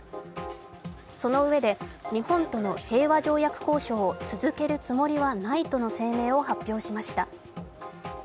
そのうえで日本との平和条約交渉を続けるつもりはないとの声明を発表しました。